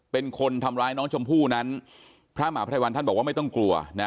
เป็นคนทำร้ายน้องชมพู่นั้นพระมหาภัยวันท่านบอกว่าไม่ต้องกลัวนะ